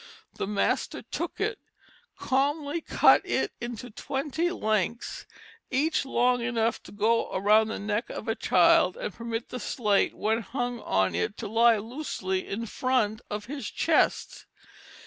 The master took it, calmly cut it into twenty lengths, each long enough to go around the neck of a child and permit the slate when hung on it to lie loosely in front of his chest.